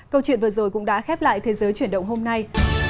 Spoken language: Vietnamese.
câu chuyện vừa rồi cũng đã khép lại thế giới chuyển động hôm nay